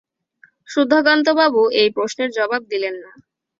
সুধাকান্তবাবু এই প্রশ্নের জবাব দিলেন না।